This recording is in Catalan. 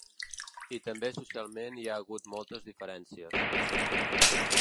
I també socialment hi ha hagut moltes diferències.